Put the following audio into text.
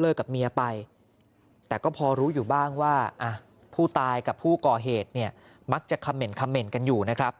เลิกกับเมียไปแต่ก็พอรู้อยู่บ้างว่าผู้ตายกับผู้ก่อเหตุมักจะเขม่นคำเหน่นกันอยู่นะครับ